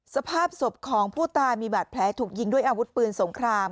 สภาพศพของผู้ตายมีบาดแผลถูกยิงด้วยอาวุธปืนสงคราม